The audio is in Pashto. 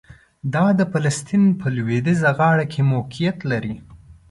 دا د فلسطین په لویدیځه غاړه کې موقعیت لري.